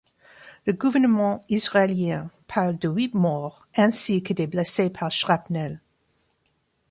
Le gouvernement israélien parle de huit morts ainsi que des blessés par shrapnel.